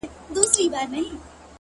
زه مي پر خپلي بې وسۍ باندي تکيه کومه ـ